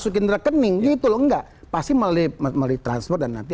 galang perjuangan prabowo sandi